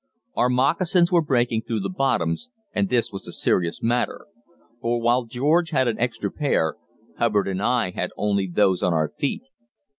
Our moccasins were breaking through the bottoms, and this was a serious matter; for while George had an extra pair, Hubbard and I had only those on our feet.